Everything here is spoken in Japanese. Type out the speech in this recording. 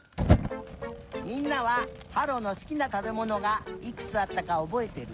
みんなははろのすきなたべものがいくつあったかおぼえてる？